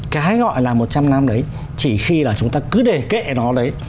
cái gọi là một trăm năm đấy chỉ khi là chúng ta cứ để kệ nó đấy